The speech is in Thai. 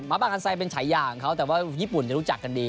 บางอันไซเป็นฉายาของเขาแต่ว่าญี่ปุ่นจะรู้จักกันดี